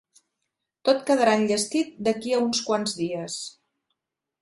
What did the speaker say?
Tot quedarà enllestit d'aquí a uns quants dies.